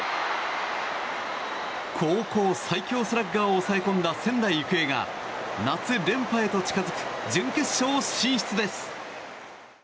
高校最強スラッガーを抑え込んだ仙台育英が夏連覇へと近づく準決勝進出です。